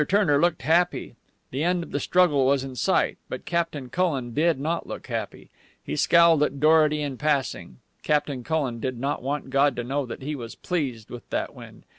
Turner looked happy. The end of the struggle was in sight. But Captain Cullen did not look happy. He scowled at Dorety in passing. Captain Cullen did not want God to know that he was pleased with that wind.